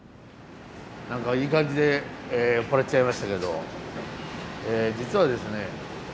何かいい感じで酔っ払っちゃいましたけど実はですね